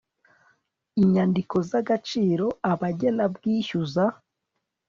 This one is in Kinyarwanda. inyandiko z agaciro abagenabwishyu za